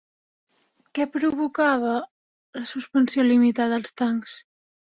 Què provocava la suspensió limitada als tancs?